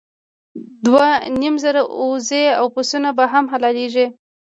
دوه نیم زره اوزې او پسونه به هم حلالېدل.